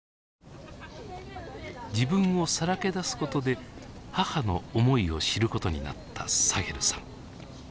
自分をさらけ出すことで母の思いを知ることになったサヘルさん。